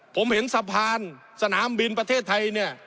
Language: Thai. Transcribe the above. ผมเห็นสะพานสนามบินประเทศไทยเนี่ย